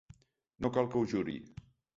No cal que ho juri.